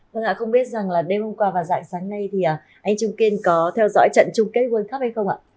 vâng ạ không biết rằng là đêm hôm qua và dạng sáng nay thì anh trung kiên có theo dõi trận chung kết world cup hay không ạ